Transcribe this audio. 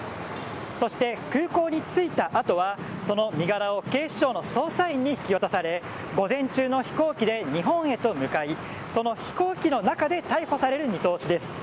そして、空港へ着いた後はその身柄を警視庁の捜査員に引き渡され午前中の飛行機で日本へと向かいその飛行機の中で逮捕される見通しです。